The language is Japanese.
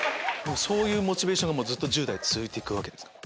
そういうモチベーションが１０代続いて行くわけですか？